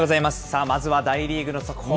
さあまずは大リーグの速報。